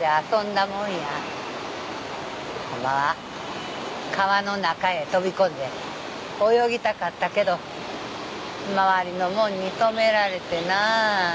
ホンマは川の中へ飛び込んで泳ぎたかったけど周りの者に止められてなあ。